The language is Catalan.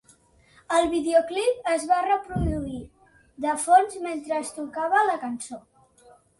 El videoclip es va reproduir de fons mentre es tocava la cançó.